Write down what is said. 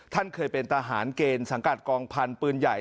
ท่านเคยเป็นทหารเกณฑ์สังกัดกองพันธุ์ปืนใหญ่